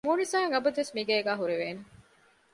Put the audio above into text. މޫނިސާ އަށް އަބަދުވެސް މިގޭގައި ހުރެވޭނެ